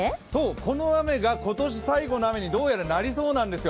この雨が今年最後の雨にどうやらなりそうなんですよ。